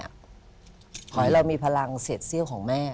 ขอให้เรามีพลังเสร็จเซี่ยวของแม่